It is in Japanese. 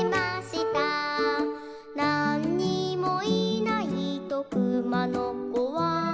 「なんにもいないとくまのこは」